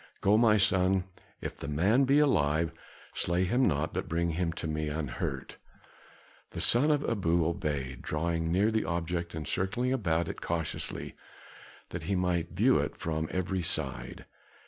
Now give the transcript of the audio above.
"Go, my son; if the man be alive, slay him not, but bring him to me unhurt." The son of Abu obeyed, drawing near the object and circling about it cautiously that he might view it from every side.